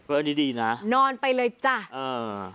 อันนี้ดีนะนอนไปเลยจ้ะเออ